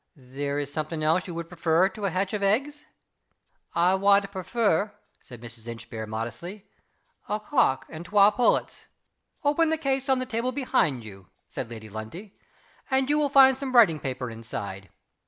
"There is something else you would prefer to a hatch of eggs?" "I wad prefer," said Mrs. Inchbare, modestly, "a cock and twa pullets." "Open the case on the table behind you," said Lady Lundie, "and you will find some writing paper inside.